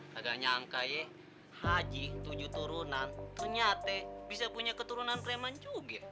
kagak nyangka ya haji tujuh turunan ternyata bisa punya keturunan preman juga